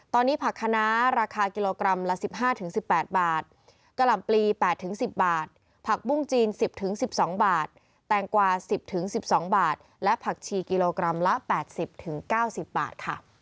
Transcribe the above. ตอนนี้ผักคณะราคากิโลกรัมละ๑๕๑๘บาทกะหล่ำปลี๘๑๐บาทผักบุ้งจีน๑๐๑๒บาทแต่งกว่า๑๐๑๒บาทและผักชีกิโลกรัมละ๘๐๙๐บาทค่ะ